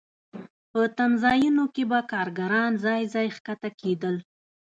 په تمځایونو کې به کارګران ځای ځای ښکته کېدل